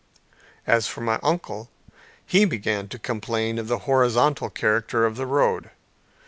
As for my uncle he began to complain of the horizontal character of the road.